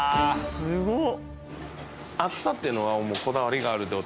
すごっ！